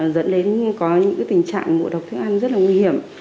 dẫn đến có những tình trạng ngộ độc thức ăn rất là nguy hiểm